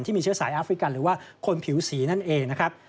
มีเชื้อสายแอฟริกันหรือว่าคนผิวสีนั่นเองนะครับ